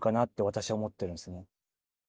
私は思ってるんですね。